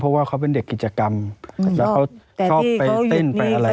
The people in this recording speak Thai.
เพราะว่าเขาเป็นเด็กกิจกรรมแล้วเขาชอบไปเต้นไปอะไร